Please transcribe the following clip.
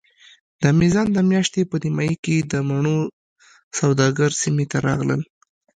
د میزان د میاشتې په نیمایي کې د مڼو سوداګر سیمې ته راغلل.